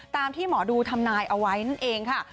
ที่หมอดูทำนายเอาไว้นั่นเองค่ะ